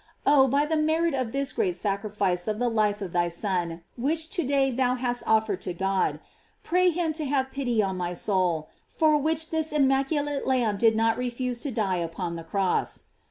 Oh, by the merit of this great sacrifice of the life of thy Son which to day thou hast offered to God, pray him to have pity on my soul, for which this im maculate Lamb did not refuse to die upon the cross.